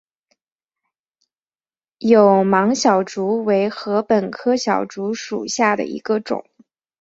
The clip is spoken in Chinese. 有芒筱竹为禾本科筱竹属下的一个种。